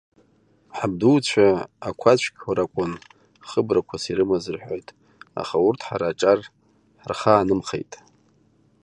Ҳабдуцәа ақәацәқәа ракәын хыбрақәас ирымаз рҳәоит, аха урҭ ҳара аҿар ҳархаанымхеит.